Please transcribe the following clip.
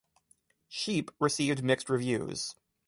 "Sheep" received mixed reviews.